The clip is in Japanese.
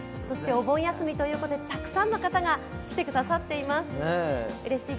お盆休みということでたくさんの方が来てくださっています。